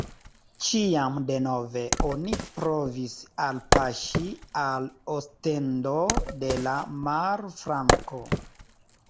Ĉiam denove oni provis alpaŝi al Ostendo de la marflanko.